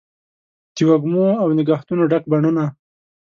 د وږمو او نګهتونو ډک بڼوڼه